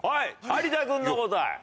有田君の答え。